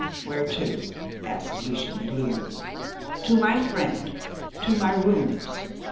"Where to?" asked Lucian gloomily. "To my friend to my rooms.